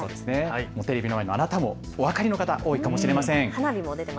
テレビの前のあなたもお分かりの方、多いかもしれません。